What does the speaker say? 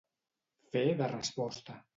Fer de resposta.